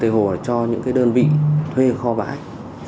đã tự ý ký hợp đồng cho những đơn vị thuê kho bãi